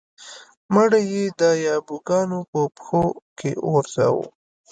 مړی یې د یابو ګانو په پښو کې وغورځاوه.